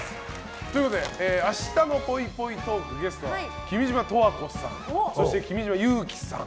ということで明日のぽいぽいトークのゲストは君島十和子さん、君島憂樹さん。